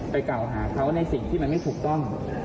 ไปกาวหาเขาในอย่างไม่ถูกต้อง